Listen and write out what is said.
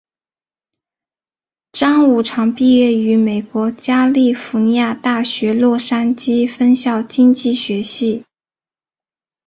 张五常毕业于美国加利福尼亚大学洛杉矶分校经济学系。